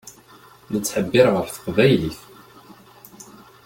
Nettḥebbiṛ ɣef teqbaylit.